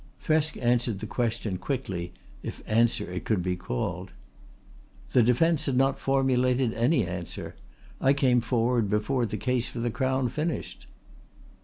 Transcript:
Thresk answered the question quickly, if answer it could be called. "The defence had not formulated any answer. I came forward before the case for the Crown finished."